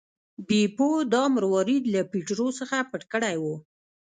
بیپو دا مروارید له پیټرو څخه پټ کړی و.